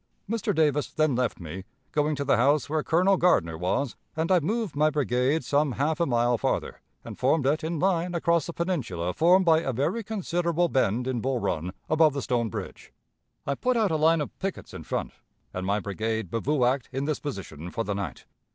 "Mr. Davis then left me, going to the house where Colonel Gardner was, and I moved my brigade some half a mile farther, and formed it in line across the peninsula formed by a very considerable bend in Bull Run above the stone bridge. I put out a line of pickets in front, and my brigade bivouacked in this position for the night.